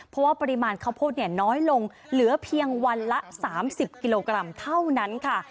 เพราะว่าปริมาณข้าวโพดเนี่ยน้อยลงเหลือเพียงวันละ๓๐กิโลกรัมเท่านั้นค่ะ